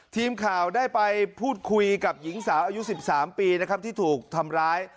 ทีมข่าวได้ไปพูดคุยกับหญิงสาวอายุ๑๓ปีนะครับที่ถูกทำร้าย